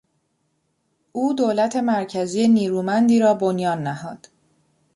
او دولت مرکزی نیرومندی را بنیان نهاد.